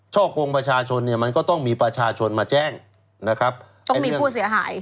คงประชาชนเนี่ยมันก็ต้องมีประชาชนมาแจ้งนะครับต้องมีผู้เสียหาย